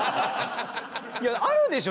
いやあるでしょ。